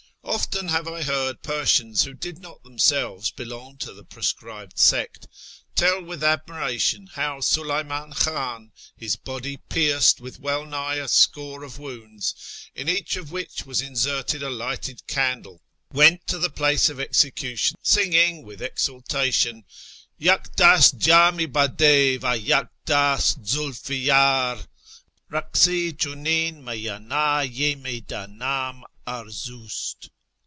Often have I heard Persians who did not themselves belong to the proscribed sect tell with admiration how Suleyman Khan, his body pierced with well nigh a score of wounds, in each of which was in serted a lighted candle, went to the place of execution singing with exultation :" Yak dast jdm i bdd^, va yak dast zulf i ydr — Raksi chimin meydne i meyddnam drz'dst